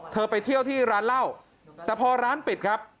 ไปเที่ยวที่ร้านเหล้าแต่พอร้านปิดครับ